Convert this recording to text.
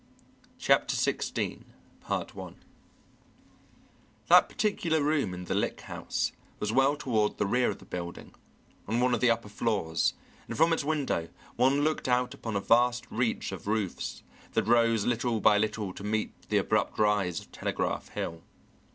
Chapter Sixteen That particular room in the Lick House was well toward the rear of the building, on one of the upper floors, and from its window, one looked out upon a vast reach of roofs that rose little by little to meet the abrupt rise of Telegraph Hill.